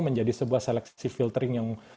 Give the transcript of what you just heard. menjadi sebuah seleksi filtering yang